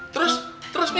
terus terus mi